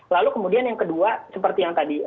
lalu kemudian yang kedua seperti yang tadi